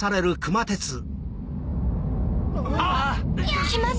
あっ！